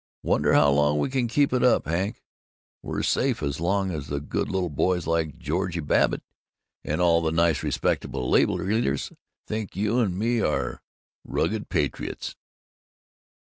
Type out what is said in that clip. Wonder how long we can keep it up, Hank? We're safe as long as the good little boys like George Babbitt and all the nice respectable labor leaders think you and me are rugged patriots.